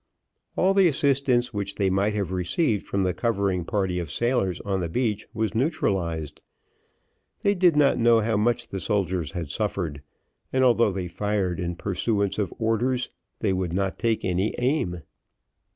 All the assistance which they might have received from the covering party of sailors on the beach, was neutralised; they did not know how much the soldiers had suffered, and although they fired in pursuance of orders, they would not take any aim.